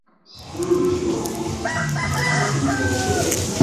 Sseḥlu leǧruḥ-is, a-tt-an temderkal!